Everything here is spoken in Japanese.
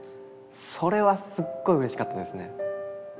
それはすっごいうれしかったですね。